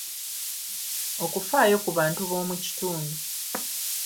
Okufaayo ku bantu b’omu kitundu.